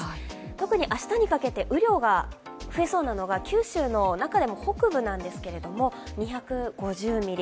特に明日にかけて雨量が増えそうなのが九州の、中でも北部なんですが、２５０ミリ。